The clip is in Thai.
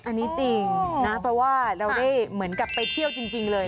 อันนี้จริงนะเพราะว่าเราได้เหมือนกับไปเที่ยวจริงเลย